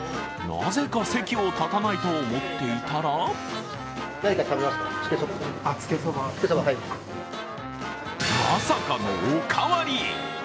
なぜか席を立たないと思っていたらまさかのおかわり。